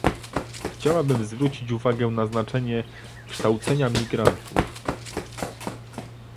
Chciałabym zwrócić uwagę na znaczenie kształcenia migrantów